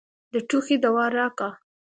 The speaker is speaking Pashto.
د ټوخي دوا راکه.